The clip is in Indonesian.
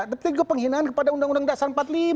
tapi juga penghinaan kepada undang undang dasar empat puluh lima